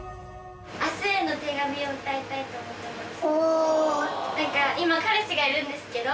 「明日への手紙」を歌いたいと思ってます